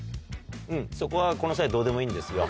うんそこはこの際どうでもいいんですよ。